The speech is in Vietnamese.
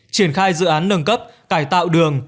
triển khai dự án nâng cấp cải tạo đường